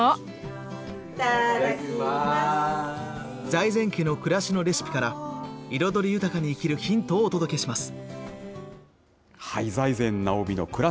財前家の暮らしのレシピから、彩り豊かに生きるヒントをお届けします。